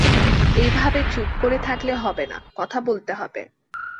এইভাবে চুপ করে থাকলে হবে না, কথা বলতে হবে।